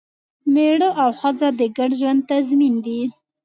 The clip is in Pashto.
مېړه او ښځه د ګډ ژوند تضمین دی.